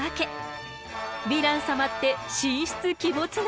ヴィラン様って神出鬼没なの。